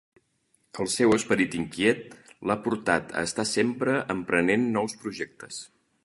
El seu esperit inquiet l'ha portat a estar sempre emprenent nous projectes.